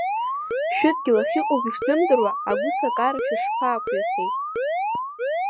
Шәыдгьыл ахьыҟоугьы шәзымдыруа агәысакара шәышԥаақәирхеи!